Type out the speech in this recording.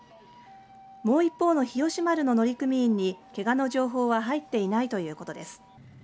もう一方の日吉丸の乗組員にけがの情報は入っていないということです。